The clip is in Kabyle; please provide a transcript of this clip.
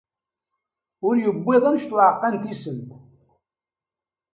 Ur yewwiḍ annect uɛeqqa n tisent.